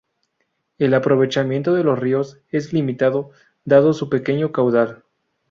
El aprovechamiento de los ríos es limitado, dado su pequeño caudal.